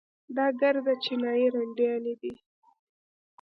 دا ګردې چينايي رنډيانې دي.